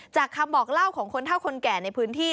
คำบอกเล่าของคนเท่าคนแก่ในพื้นที่